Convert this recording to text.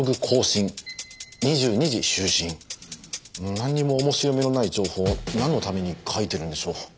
なんにも面白みのない情報をなんのために書いてるんでしょう？